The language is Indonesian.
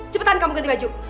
cepetan kamu ganti baju